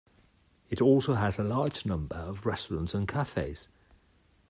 It also has a large number of restaurants and cafes.